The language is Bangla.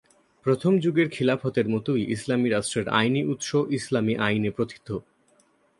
প্রথম যুগের খিলাফতের মতই ইসলামী রাষ্ট্রের আইনি উৎস ইসলামি আইনে প্রোথিত।